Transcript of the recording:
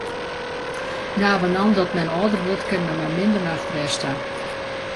Navenant dat men âlder wurdt, kin men mei minder nachtrêst ta.